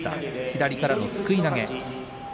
左からのすくい投げの勝ち。